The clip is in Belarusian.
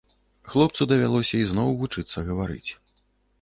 Хлопцу давялося ізноў вучыцца гаварыць.